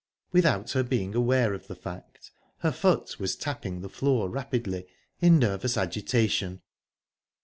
Without her being aware of the fact, her foot was tapping the floor rapidly in nervous agitation.